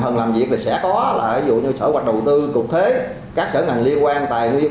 phần làm việc thì sẽ có là ví dụ như sở bạch đầu tư cục thuế các sở ngành liên quan tài nguyên